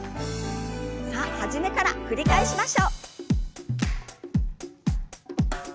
さあ初めから繰り返しましょう。